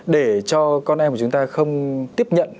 để cho con em của chúng ta không tiếp nhận